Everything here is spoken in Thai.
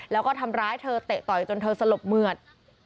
แล้วก็ทำร้ายเธอเตะต่อยจนเธอสลบเหมือด